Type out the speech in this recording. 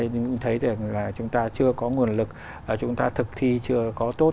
nhưng cũng thấy được là chúng ta chưa có nguồn lực chúng ta thực thi chưa có tốt